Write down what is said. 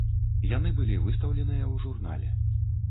Яны былі выстаўленыя у журнале.